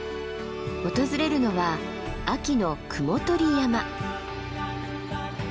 訪れるのは秋の雲取山。